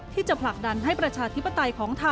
ที่จะผลักดันให้ประชาธิปไตยของไทย